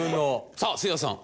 さあせいやさん。